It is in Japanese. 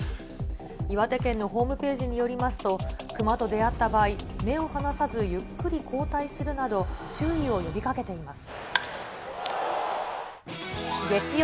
岩手県のホームページによりますと、熊と出会った場合、目を離さず、ゆっくり後退するなど、注意を呼びかけています。